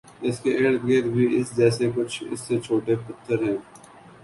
اس کے ارد گرد بھی اس جیسے کچھ اس سے چھوٹے پتھر ہیں